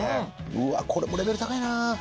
うわこれもレベル高いな。